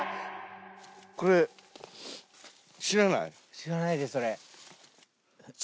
知らないですそれ。